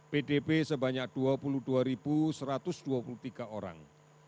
pdb sebanyak dua puluh dua satu ratus dua puluh tiga orang